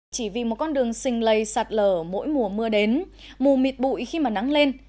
chỉ vì một con đường xình lây sạt lở mỗi mùa mưa đến mù mịt bụi khi mà nắng lên